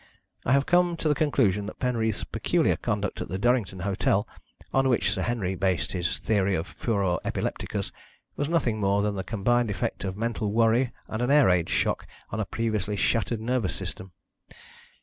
I have come to the conclusion that Penreath's peculiar conduct at the Durrington hotel, on which Sir Henry based his theory of furor epilepticus, was nothing more than the combined effect of mental worry and an air raid shock on a previously shattered nervous system.